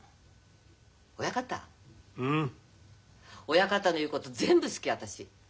親方の言うこと全部好き私。